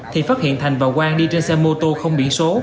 thì phát hiện thành và quang đi trên xe mô tô không biển số